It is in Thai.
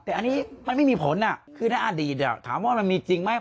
แต่อันนี้มันไม่มีผลคือในอดีตถามว่ามันมีจริงไหม